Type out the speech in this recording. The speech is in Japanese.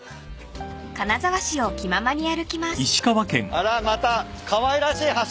あらまたかわいらしい橋。